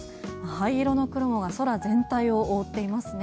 灰色の雲が空全体を覆っていますね。